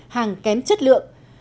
hàng kém chất lượng